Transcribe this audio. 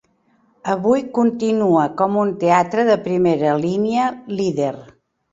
Avui continua com un teatre de primera línia líder.